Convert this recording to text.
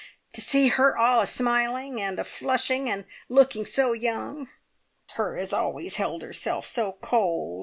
To see her all a smiling and a flushing, and looking so young! Her as always held herself so cold.